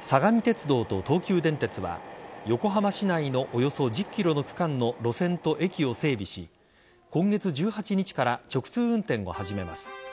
相模鉄道と東急電鉄は横浜市内のおよそ１０ｋｍの区間の路線と駅を整備し今月１８日から直通運転を始めます。